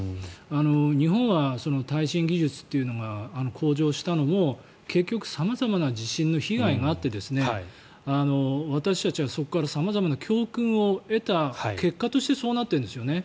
日本は耐震技術というのが向上したのも結局、様々な地震の被害があって私たちはそこから様々な教訓を得た結果としてそうなっているんですよね。